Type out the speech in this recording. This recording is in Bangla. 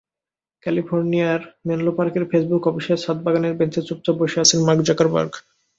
ক্যালিফোর্নিয়ার মেনলো পার্কের ফেসবুক অফিসের ছাদবাগানের বেঞ্চে চুপচাপ বসে আছেন মার্ক জাকারবার্গ।